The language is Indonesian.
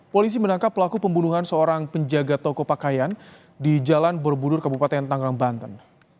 polisi menangkap pelaku pembunuhan seorang penjaga toko pakaian di jalan borobudur kabupaten tangerang banten